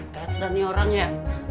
kayak ternyata orang ya